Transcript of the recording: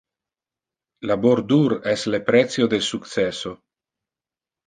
Labor dur es le precio del successo.